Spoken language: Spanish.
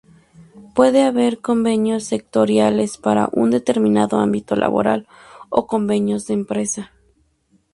Puede haber convenios sectoriales, para un determinado ámbito laboral o convenios de empresa.